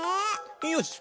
よし。